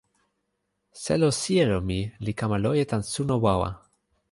selo sijelo mi li kama loje tan suno wawa.